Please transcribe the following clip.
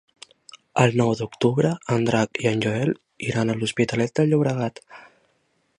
El nou d'octubre en Drac i en Joel iran a l'Hospitalet de Llobregat.